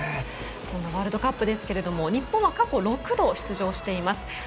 そんなワールドカップですけども日本は過去６度出場しています。